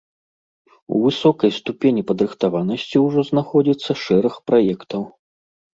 У высокай ступені падрыхтаванасці ўжо знаходзіцца шэраг праектаў.